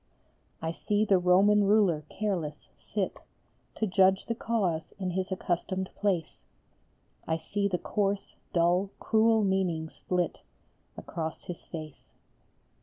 I see the Roman ruler careless sit To judge the cause in his accustomed place ; I see the coarse, dull, cruel meanings flit Across his face.